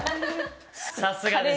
さすがです